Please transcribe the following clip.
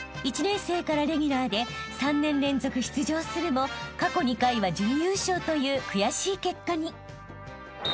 ［１年生からレギュラーで３年連続出場するも過去２回は準優勝という悔しい結果に］